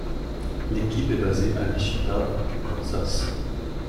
L'équipe est basée à Wichita au Kansas.